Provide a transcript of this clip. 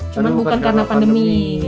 cuma bukan karena pandemi